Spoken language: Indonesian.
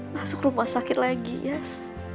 masuk rumah sakit lagi yes